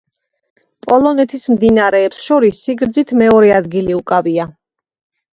პოლონეთის მდინარეებს შორის სიგრძით მეორე ადგილი უკავია.